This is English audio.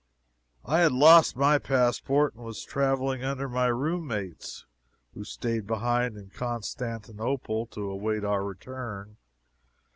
I had lost my passport, and was traveling under my room mate's, who stayed behind in Constantinople to await our return.